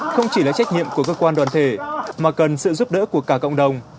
không chỉ là trách nhiệm của cơ quan đoàn thể mà cần sự giúp đỡ của cả cộng đồng